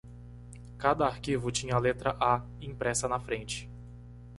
Cada arquivo tinha a letra "A" impressa na frente.